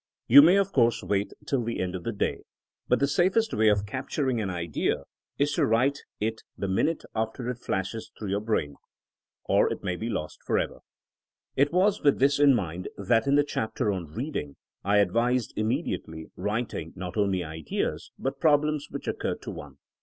You may of course wait until the end of the day. But the safest way of capturing an idea is to write it the minute after it flashes through your brain, THZNKING AS A SCIENCE 193 or it may be lost forever. It was with this in mind that in the chapter on reading I advised immediately writing not only ideas but prob lems which occurred to one.